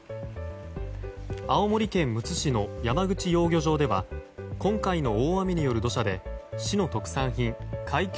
青森県むつ市の山口養魚場では今回の大雨による土砂で市の特産品海峡